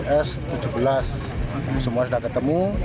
semua sudah ketemu ini tinggal empat sekarang ketemu dua tinggal dua